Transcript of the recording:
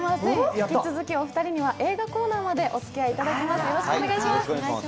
引き続きお二人には映画コーナーまでお付き合いいただきます。